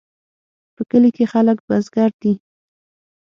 په کلي کې خلک بزګر دي